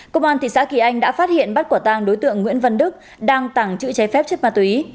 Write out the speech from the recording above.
công an thị xã kỳ anh đã phát hiện bắt quả tàng đối tượng nguyễn văn đức đang tàng trữ trái phép chất ma túy